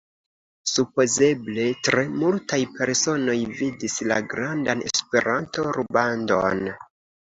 Supozeble tre multaj personoj vidis la grandan Esperanto-rubandon.